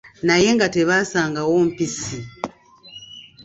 Naye nga tebasangawo mpisi.